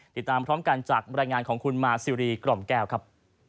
ติดตามพร้อมกันจากบรรยายงานของคุณมาซิรีกล่อมแก้วครับ